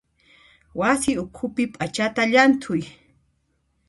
Wasi ukhupi p'achata llanthuy.